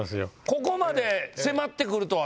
ここまで迫ってくるとは？